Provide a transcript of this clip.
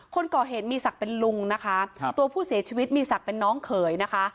คนก่อเหตุมีศักดิ์เป็นลุงนะคะตัวผู้เสียชีวิตมีศักดิ์เป็นน้องเขยนะคะ